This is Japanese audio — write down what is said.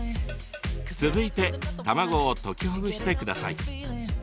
続いて卵を溶きほぐしてください。